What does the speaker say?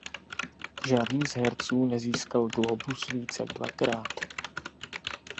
Žádný z herců nezískal Glóbus víc jak dvakrát.